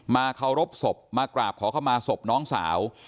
เคารพศพมากราบขอเข้ามาศพน้องสาว